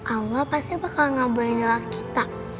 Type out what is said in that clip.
allah pasti bakal ngabulin doa kita